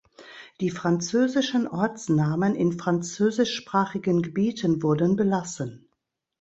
Die französischen Ortsnamen in französischsprachigen Gebieten wurden belassen.